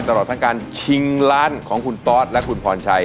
ตลอดทั้งการชิงล้านของคุณตอสและคุณพรชัย